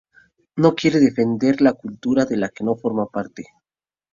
No quiere defender una cultura de la que no forma parte.